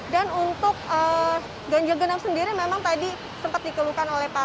dan untuk ganjil genap sendiri memang tadi sempat dikeluk